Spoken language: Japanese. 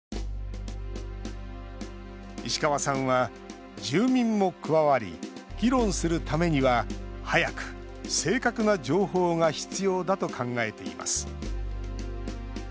石川さんは住民も加わり議論するためには早く正確な情報が必要だと考えています。